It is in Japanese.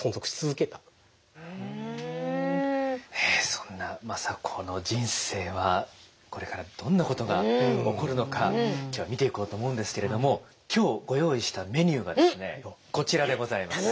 そんな政子の人生はこれからどんなことが起こるのか今日は見ていこうと思うんですけれども今日ご用意したメニューがですねこちらでございます。